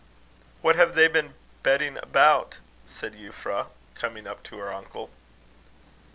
"What have they been betting about?" said Euphra, coming up to her uncle.